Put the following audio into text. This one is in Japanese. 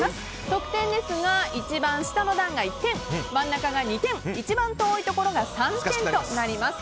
得点ですが一番下の段が１点真ん中が２点一番遠いところが３点となります。